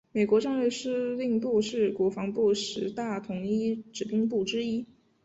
美国战略司令部是国防部十大统一指挥部之一。